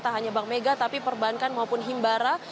tak hanya bank mega tapi perbankan maupun himbara